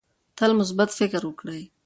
تل مثبت فکر وکړئ.